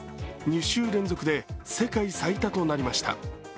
２週連続で世界最多となりました。